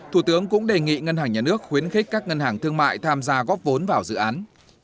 thủ tướng cũng đề nghị ngân hàng nhà nước khuyến khích các ngân hàng thương mại tham gia góp vốn vào dự án